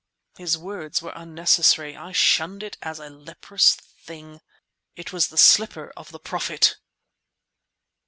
His words were unnecessary; I shunned it as a leprous thing. It was the slipper of the Prophet!